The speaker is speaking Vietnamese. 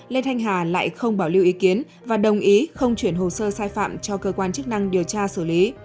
lê thanh hà lại không bảo lưu ý kiến và đồng ý không chuyển hồ sơ sai phạm cho cơ quan chức năng điều tra xử lý